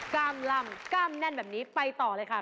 กล้ามลำกล้ามแน่นแบบนี้ไปต่อเลยค่ะ